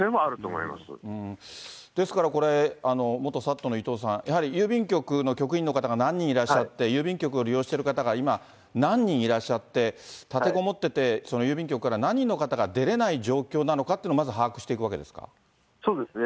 ですから、これ、元ＳＡＴの伊藤さん、やはり郵便局の局員の方が何人いらっしゃって、郵便局を利用している方が今、何人いらっしゃって、立てこもってて、その郵便局から何人の方が出れない状況なのかっていうのを、そうですね。